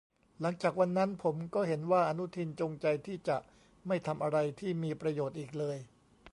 หลังจากวันนั้นผมก็เห็นว่าอนุทินจงใจที่จะไม่ทำอะไรที่มีประโยชน์อีกเลย